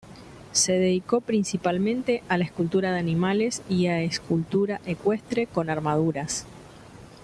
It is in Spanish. Se dedicó principalmente a la escultura de animales y a escultura ecuestre con armaduras.